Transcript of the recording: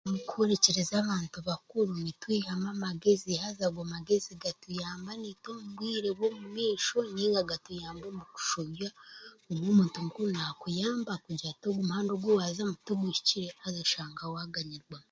Okuhuurikiriza abantu bakuru nitwihamu amagezi haza ago amagezi gatuyamba naitwe omu bwire bw'omumaisho nainga gatuyamba omu bw'okushobya obumwe omuntu mukuru naakuyamba akugira ati ogu muhanda ogu ogu waazamu tigwikire haza oshanga waaganyirwamu